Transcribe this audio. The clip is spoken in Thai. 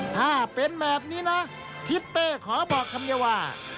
ถ้าเป็นแบบนี้นะทิศเป้ขอบอกคำเดียวว่า